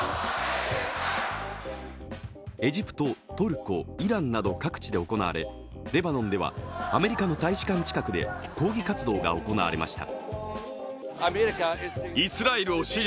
エジプト、トルコ、イランなど各地で行われレバノンではアメリカの大使館近くで抗議活動が行われました。